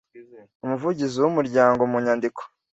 Umuvugizi w umuryango mu nyandiko